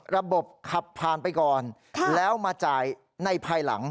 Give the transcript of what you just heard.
ระบบขับผ่านไปก่อนแล้วมาจ่ายในภายหลัง